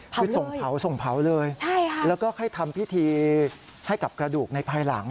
คือส่งเผาส่งเผาเลยแล้วก็ให้ทำพิธีให้กับกระดูกในภายหลัง